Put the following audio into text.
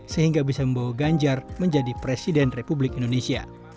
sehingga bisa membawa ganjar menjadi presiden republik indonesia